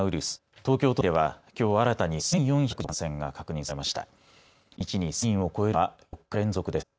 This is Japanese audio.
東京都内では、きょう新たに１４１０人の感染が確認されました。